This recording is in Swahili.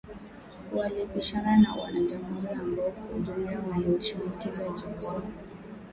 Walipishana na wana Jamhuri ambao kwa ujumla walimshinikiza Jackson